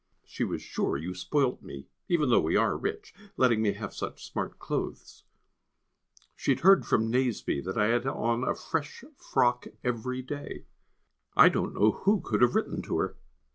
She was sure you spoilt me, even though we are rich, letting me have such smart clothes. She had heard from Nazeby, that I had had on a fresh frock every day. I don't know who could have written to her.